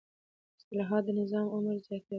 اصلاحات د نظام عمر زیاتوي